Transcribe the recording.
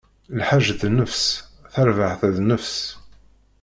Lḥaǧ d nnefṣ, tarbaɛt d nnefṣ!